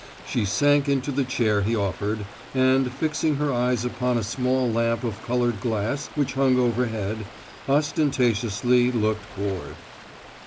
She sank into the chair he offered, and, fixing her eyes upon a small lamp of coloured glass which hung overhead, ostentatiously looked bored.